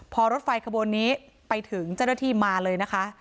พอรถไฟขบวนนี้ไปถึงเจ้าหน้าที่มาเลยนะคะ